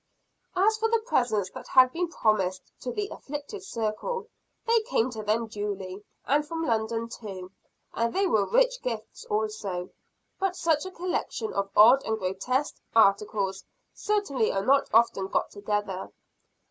As for the presents that had been promised to the "afflicted circle," they came to them duly, and from London too. And they were rich gifts also; but such a collection of odd and grotesque articles, certainly are not often got together.